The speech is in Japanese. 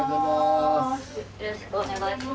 よろしくお願いします。